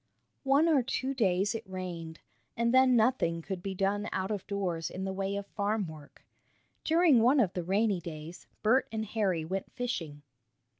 One or two days it rained, and then nothing could be done out of doors in the way of farm work. During one of the rainy days Bert and Harry went fishing.